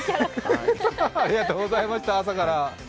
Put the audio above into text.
ありがとうございました、朝から。